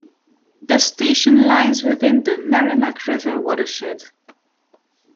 The station lies within the Merrimack River watershed.